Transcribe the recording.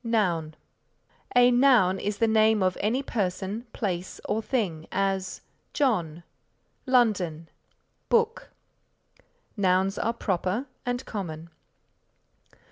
NOUN A noun is the name of any person, place or thing as John, London, book. Nouns are proper and common.